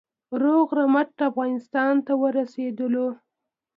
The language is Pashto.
روغ رمټ افغانستان ته ورسېدلو.